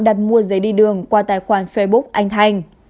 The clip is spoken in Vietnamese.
đặt mua giấy đi đường qua tài khoản facebook anh thanh